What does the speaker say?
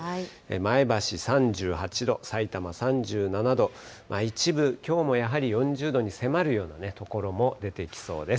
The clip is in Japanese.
前橋３８度、さいたま３７度、一部、きょうもやはり４０度に迫るような所も出てきそうです。